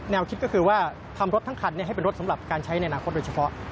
คิดก็คือว่าทำรถทั้งคันให้เป็นรถสำหรับการใช้ในอนาคตโดยเฉพาะ